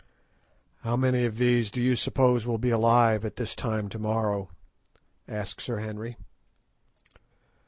"How many of these do you suppose will be alive at this time to morrow?" asked Sir Henry.